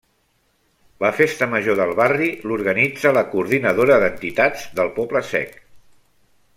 La festa major del barri l’organitza la Coordinadora d’Entitats del Poble-sec.